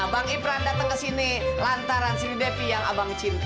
bang ipran datang ke sini lantaran siri devi yang abang cinta